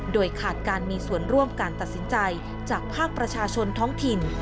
โดยขาดการมีส่วนร่วมการตัดสินใจจากภาคประชาชนท้องถิ่น